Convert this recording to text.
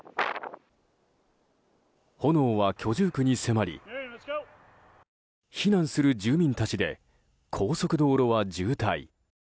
炎は居住区に迫り避難する住民たちで高速道路は渋滞。